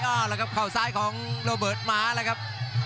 เอาละครับเข่าซ้ายของโรเบิร์ตมาแล้วครับ